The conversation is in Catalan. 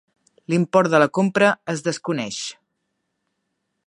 L'import de la compra es desconeix.